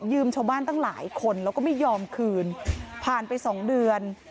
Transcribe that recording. ชาวบ้านตั้งหลายคนแล้วก็ไม่ยอมคืนผ่านไปสองเดือน